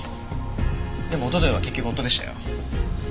でも一昨日は結局夫でしたよ。